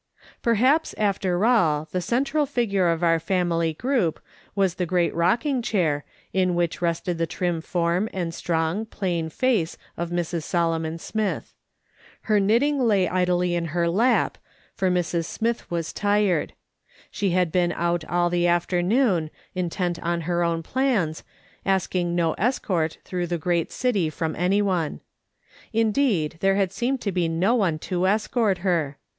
Perhaps, after all, the central figure of our family group was the great rocking chair, in which rested the trim form and strong, plain face of Mrs. Solomon Smith. Her knitting lay idly on her lap, for Mrs. Smith was tired. She had been out all the after noon, intent on her own plans, asking no escort through the great city from anyone. Indeed, there seemed to be no one to escort her.